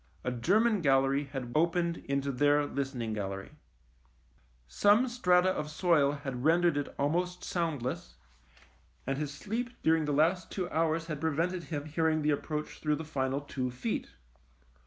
A German gallery had opened into their listening gallery. Some THE MINE 101 strata of soil had rendered it almost sound less, and his sleep during the last two hours had prevented him hearing the approach through the final two feet.